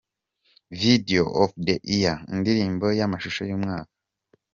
Video of the year: Indirimbo y’amashusho y’umwaka.